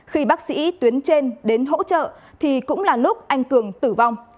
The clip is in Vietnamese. khi bác sĩ tuyến trên đến hỗ trợ thì cũng là lúc anh cường tử vong